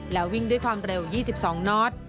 แล้ววิ่งด้วยความเร็ว๒๒น็อต